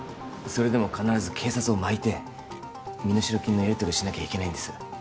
それでも必ず警察をまいて身代金のやりとりをしなきゃいけないんです